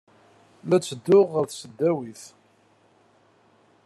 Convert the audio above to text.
La ttedduɣ ɣer tesdawit.